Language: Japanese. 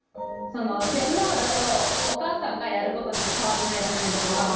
「手伝う」だとお母さんがやることには変わりないじゃないですか。